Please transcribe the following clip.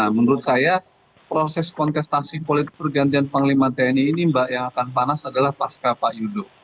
menurut saya proses kontestasi politik pergantian panglima tni ini mbak yang akan panas adalah pasca pak yudo